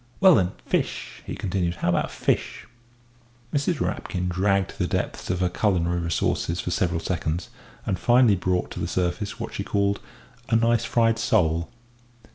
"Well then, fish?" he continued; "how about fish?" Mrs. Rapkin dragged the depths of her culinary resources for several seconds, and finally brought to the surface what she called "a nice fried sole."